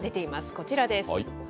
こちらです。